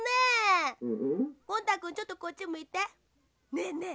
ねえねえ。